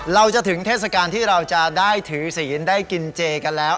เราจะถึงเทศกาลที่เราจะได้ถือศีลได้กินเจกันแล้ว